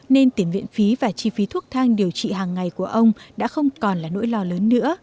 nên tiền viện phí và chi phí thuốc thang điều trị hàng ngày của ông đã không còn là nỗi lo lớn nữa